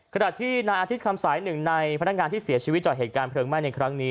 ขณะที่นายอาทิตย์คำสายหนึ่งในพนักงานที่เสียชีวิตจากเหตุการณ์เพลิงไหม้ในครั้งนี้